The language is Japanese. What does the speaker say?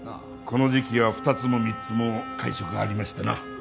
この時期は２つも３つも会食がありましてな。